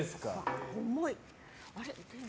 重い。